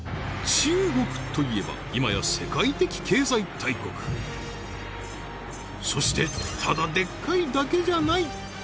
中国といえば今や世界的経済大国そしてただでっかいだけじゃない！